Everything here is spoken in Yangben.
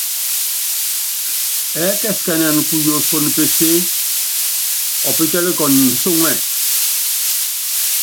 Ɛɛkɛsikɛnɛnɛ kuyosono peseé, ɔpítɔ́likɔnɔ ncúŋɛ.